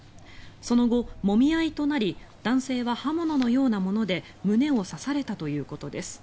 その後、もみ合いとなり男性は刃物のようなもので胸を刺されたということです。